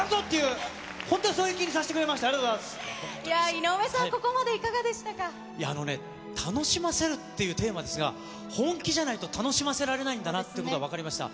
井上さん、ここまでいかがであのね、楽しませるっていうテーマですが、本気じゃないと楽しませられないんだなってことが分かりました。